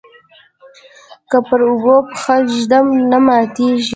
که پر اوبو پښه ږدم نه ماتیږي.